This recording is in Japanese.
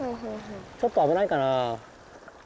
ちょっとあぶないかな。